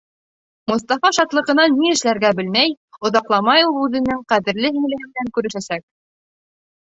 Мостафа шатлығынан ни эшләргә белмәй, оҙаҡламай ул үҙенең ҡәҙерле һеңлеһе менән күрешәсәк!